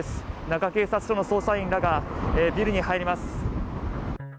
中警察署の捜査員らがビルに入ります。